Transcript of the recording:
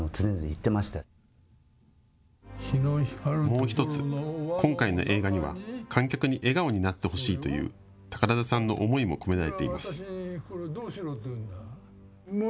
もう１つ、今回の映画には観客に笑顔になってほしいという宝田さんの思いも込められています。